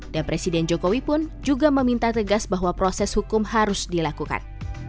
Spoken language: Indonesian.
dan presiden jokowi pun juga meminta tegas bahwa proses hukum harus dilakukan